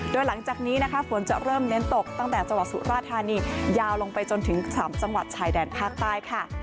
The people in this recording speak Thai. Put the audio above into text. โดยหลังจากนี้นะคะฝนจะเริ่มเน้นตกตั้งแต่จังหวัดสุราธานียาวลงไปจนถึง๓จังหวัดชายแดนภาคใต้ค่ะ